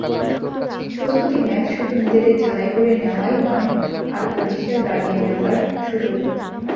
প্রস্তুতি ম্যাচ শুধু নিজেদের ঝালাই করে নেওয়াই নয়, আত্মবিশ্বাস বাড়িয়ে নেওয়ার সুযোগও।